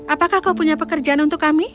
apakah kau punya pekerjaan untuk kami